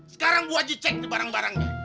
sekarang bu aji cek nih barang barangnya